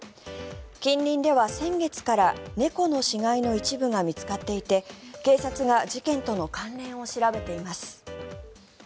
近隣では先月から猫の死骸の一部が見つかっていて警察が事件との関連を調べています。